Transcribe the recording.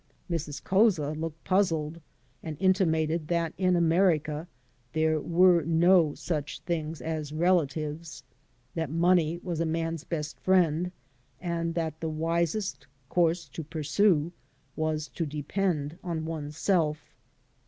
Mrs. Couza looked puzzled, and intimated that in America there were no such things as relatives; that money was a man's best friend, and that the wisest course to pursue was to depend on oneself.